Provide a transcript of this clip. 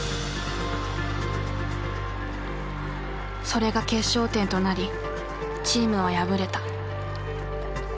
それが決勝点となりチームは敗れた。